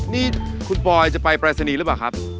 นี่คุณปอยจะไปปรายศนีย์หรือเปล่าครับ